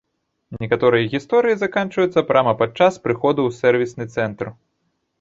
Некаторыя гісторыі заканчваюцца прама падчас прыходу ў сэрвісны цэнтр.